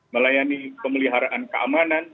melayani pemeliharaan keamanan